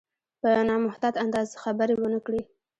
په نامحتاط انداز خبرې ونه کړي.